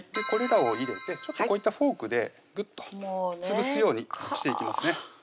これらを入れてちょっとこういったフォークでグッと潰すようにしていきますね